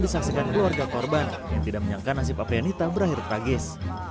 disaksikan keluarga korban yang tidak menyangka nasib aprianita berakhir tragis